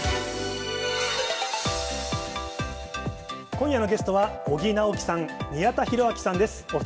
今夜のゲストは尾木直樹さん、宮田裕章さんです。